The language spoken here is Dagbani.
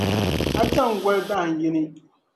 A chaŋ goli dahin yini.